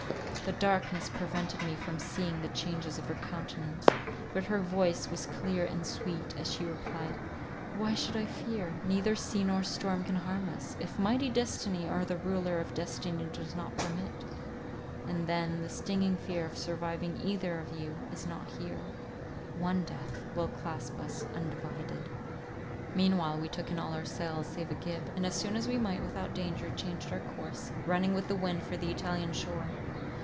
The darkness prevented me from seeing the changes of her countenance; but her voice was clear and sweet, as she replied, "Why should I fear? neither sea nor storm can harm us, if mighty destiny or the ruler of destiny does not permit. And then the stinging fear of surviving either of you, is not here—one death will clasp us undivided." Meanwhile we took in all our sails, save a gib; and, as soon as we might without danger, changed our course, running with the wind for the Italian shore.